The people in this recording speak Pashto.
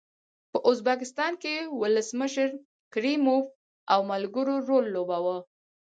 په ازبکستان کې ولسمشر کریموف او ملګرو رول لوباوه.